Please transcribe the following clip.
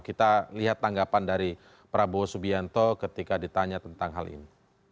kita lihat tanggapan dari prabowo subianto ketika ditanya tentang hal ini